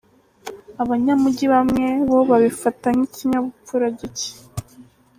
Abanyamujyi bamwe bo babifata nk’ikinyabupfura gicye.